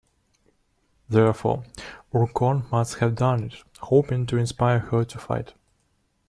Therefore, Urkonn must have done it, hoping to inspire her to fight.